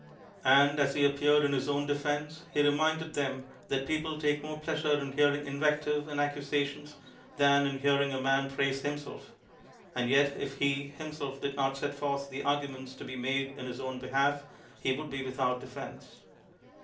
And as he ap peared in his own defense, he reminded them that people take more pleasure in hearing invec tive and accusations than in hearing a man praise himself; and yet if he, himself, did not set forth the arguments to be made in his own behalf, he would be without defense.